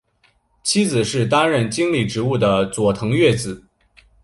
妻子是担任经理职务的佐藤悦子。